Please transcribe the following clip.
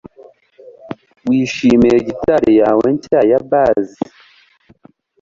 Wishimiye gitari yawe nshya ya bass